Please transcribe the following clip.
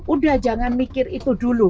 udah jangan mikir itu dulu